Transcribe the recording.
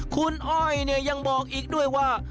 คุณอ้อยยังบอกอีกด้วยว่า